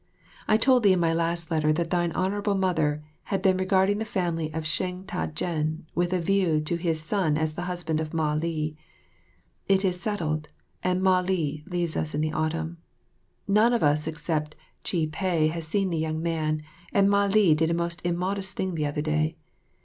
I told thee in my last letter that thine Honourable Mother had been regarding the family of Sheng Ta jen with a view to his son as husband of Mah li. It is settled, and Mah li leaves us in the autumn. None of us except Chih peh has seen the young man, and Mah li did a most immodest thing the other day.